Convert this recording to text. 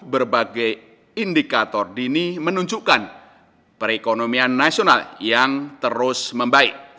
berbagai indikator dini menunjukkan perekonomian nasional yang terus membaik